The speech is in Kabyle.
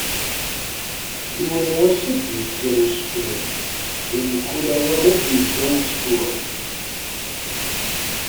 Yiwen wass ad d-yekker usefru, di mkul awal ad d-yeddu ttfuh”.